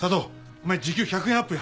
お前時給１００円アップや。